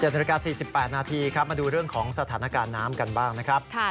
นาฬิกา๔๘นาทีครับมาดูเรื่องของสถานการณ์น้ำกันบ้างนะครับ